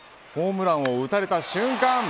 ホームランを打たれた瞬間。